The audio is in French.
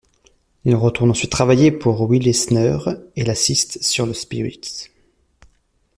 Il retourne ensuite travailler pour Will Eisner et l'assiste sur Le Spirit.